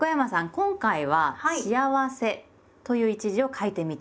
今回は「『幸』せ」という一字を書いてみて下さい。